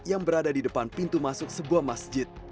yang berada di depan pintu masuk sebuah masjid